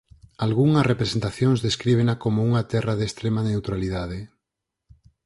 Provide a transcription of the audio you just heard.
Algunhas representacións descríbena como unha terra de extrema neutralidade.